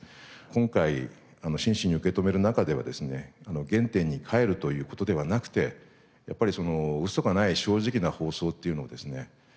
今回真摯に受け止める中ではですね原点に返るという事ではなくてやっぱり嘘がない正直な放送っていうのをですね